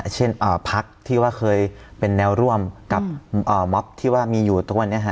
เช่นพักที่ว่าเคยเป็นแนวร่วมกับม็อบที่ว่ามีอยู่ทุกวันนี้